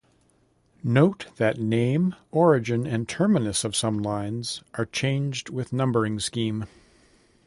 Note that name, origin and terminus of some lines are changed with numbering scheme.